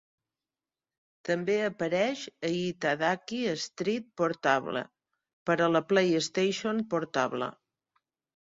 També apareix a "Itadaki Street Portable" per a la PlayStation Portable.